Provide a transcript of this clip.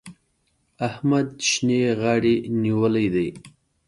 احمد شينې غاړې نيولی دی.